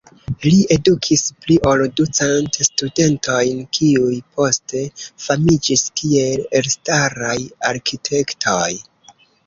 Li edukis pli ol du cent studentojn, kiuj poste famiĝis kiel elstaraj arkitektoj.